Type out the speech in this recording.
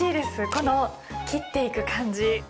この切っていく感じ。